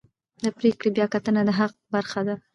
د پرېکړې بیاکتنه د حق برخه ده.